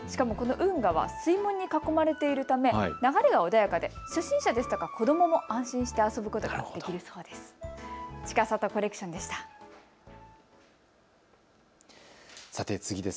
しかもこの運河は水門に囲まれているために流れが穏やかで初心者ですとか子どもも安心して遊ぶことができるそうです。